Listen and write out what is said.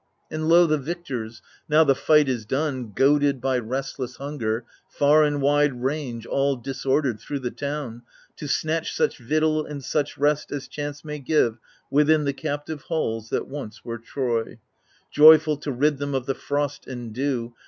And lo ! the victors, now the fight is done, Goaded by restless hunger, far and wide Range all disordered thro' the town, to snatch Such victual and such rest as chance may give Within the captive halls that once were Troy — Joyful to rid them of the frost and dew.